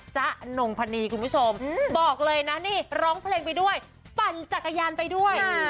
ะอนงพนีคุณผู้ชมบอกเลยนะนี่ร้องเพลงไปด้วยปั่นจักรยานไปด้วย